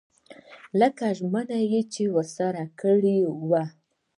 لکه ژمنه چې یې ورسره کړې وه.